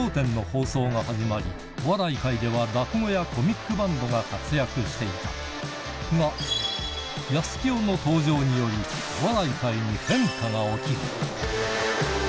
当時、笑点の放送が始まり、お笑い界では落語やコミックバンドが活躍していた、が、やすきよの登場により、お笑い界に変化が起きる。